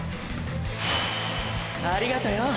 ありがとよ